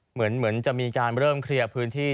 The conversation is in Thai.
เหมือนจะมีการเริ่มเคลียร์พื้นที่